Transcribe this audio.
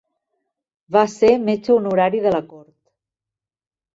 Va ser metge honorari de la Cort.